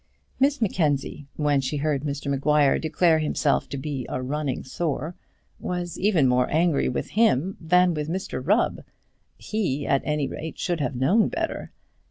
Miss Mackenzie, when she heard Mr Maguire declare himself to be a running sore, was even more angry with him than with Mr Rubb. He, at any rate, should have known better.